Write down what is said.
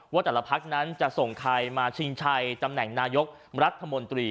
ว่าแต่ละพักนั้นจะส่งใครมาชิงชัยตำแหน่งนายกรัฐมนตรี